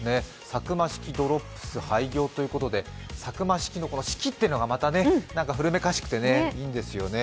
サクマ式ドロップス廃業ということでサクマ式ドロップスの式っていうのがまた古めかしくていいんですよね。